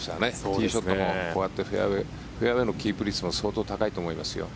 ティーショットもこうやってフェアウェーのキープ率も相当高いと思いますよ。